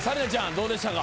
どうでしたか？